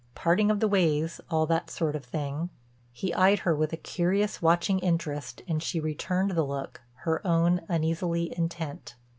Parting of the ways—all that sort of thing." He eyed her with a curious, watching interest and she returned the look, her own uneasily intent.